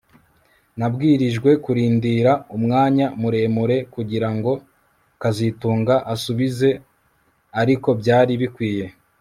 Nabwirijwe kurindira umwanya muremure kugirango kazitunga asubize ariko byari bikwiye